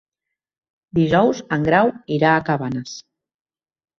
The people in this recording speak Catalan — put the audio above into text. Dijous en Grau irà a Cabanes.